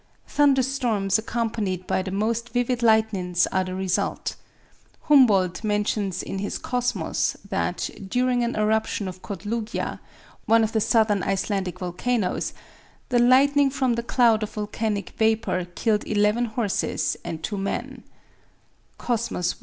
Thunder storms accompanied by the most vivid lightnings are the result. Humboldt mentions in his "Cosmos" that, during an eruption of Kotlugja, one of the southern Icelandic volcanoes, the lightning from the cloud of volcanic vapor killed eleven horses and two men (Cosmos i.